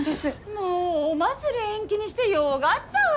もうお祭り延期にしてよがったわ。